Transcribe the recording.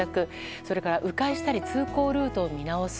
それから迂回したり交通ルートを見直す。